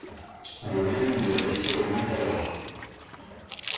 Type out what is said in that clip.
Le volume de la vessie augmente alors.